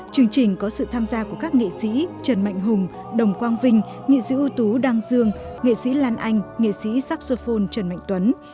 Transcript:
chương trình có sự tham gia của các nghệ sĩ trần mạnh hùng đồng quang vinh nghệ sĩ ưu tú đăng dương nghệ sĩ lan anh nghệ sĩ saxophone trần mạnh tuấn